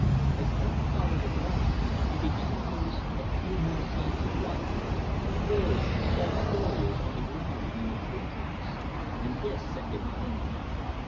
As Ed followed along it, he began to notice a few more signs of life birds, small scurriers on the ground and in tree tops and this set him thinking.